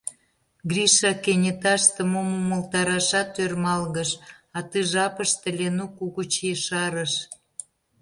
Гриша кенеташте мом умылтарашат ӧрмалгыш, а ты жапыште Ленук угыч ешарыш: